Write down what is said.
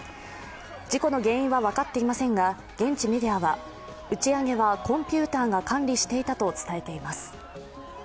事故の原因は分かっていませんが現地メディアは打ち上げはコンピューターが管理していたと伝えています。